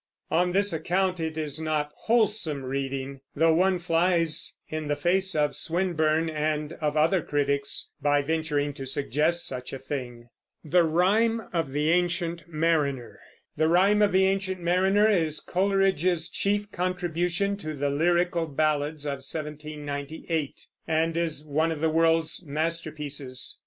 On this account it is not wholesome reading; though one flies in the face of Swinburne and of other critics by venturing to suggest such a thing. "The Rime of the Ancient Mariner" is Coleridge's chief contribution to the Lyrical Ballads of 1798, and is one of the world's masterpieces.